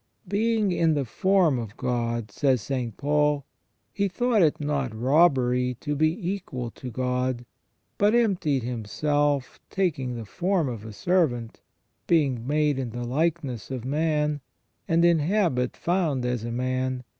" Being in the form of God," says St. Paul, " He thought it not robbery to be equal to God ; but emptied Himself, taking the form of a servant, being made in the likeness of man, and in habit found as a man.